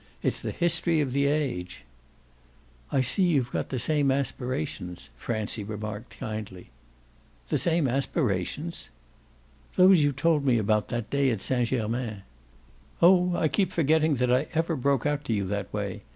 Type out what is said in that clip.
It's the history of the age." "I see you've got the same aspirations," Francie remarked kindly. "The same aspirations?" "Those you told me about that day at Saint Germain." "Oh I keep forgetting that I ever broke out to you that way.